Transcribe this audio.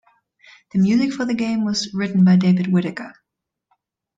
The music for the game was written by David Whittaker.